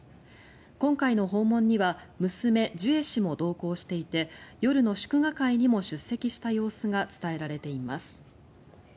今回の訪問には娘・ジュエ氏も同行していて夜の祝賀会にも出席した様子が伝えられています。